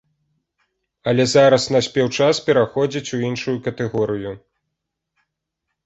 Але зараз наспеў час пераходзіць у іншую катэгорыю.